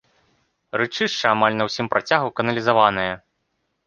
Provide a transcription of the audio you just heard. Рэчышча амаль на ўсім працягу каналізаванае.